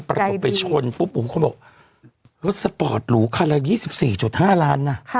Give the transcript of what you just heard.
ปรากฏไปชนปุ๊บคนบอกรถสปอร์ตหรูคันละ๒๔๕ล้านนะ